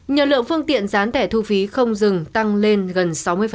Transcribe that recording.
nhờ lượng phương tiện dán tẻ thu phí không dừng tăng lên gần sáu mươi